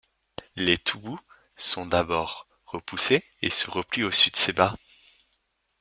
Les Toubous sont d'abord repoussés et se replient au sud Sebha.